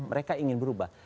mereka ingin berubah